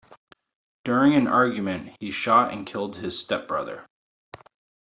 During an argument, he shot and killed his stepbrother.